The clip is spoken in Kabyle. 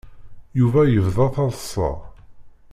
Yuba yebda taḍsa.